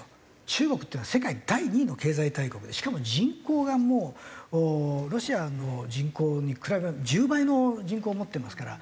中国っていうのは世界第２位の経済大国でしかも人口がもうロシアの人口に比べ１０倍の人口を持ってますから。